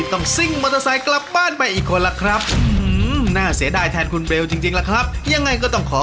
ตักได้เท่าไร